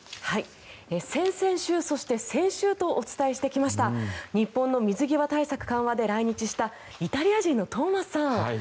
先々週そして先週とお伝えしてきました日本の水際対策緩和で来日したイタリア人のトーマスさん。